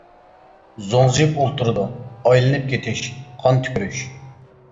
زوڭزىيىپ ئولتۇرىدۇ، ئايلىنىپ كېتىش، قان تۈكۈرۈش.